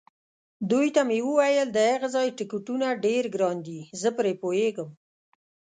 دوی ته مې وویل: د هغه ځای ټکټونه ډېر ګران دي، زه پرې پوهېږم.